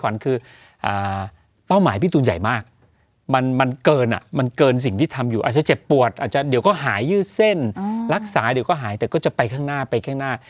รักษาเดี๋ยวก็หายแต่ก็จะไปข้างหน้า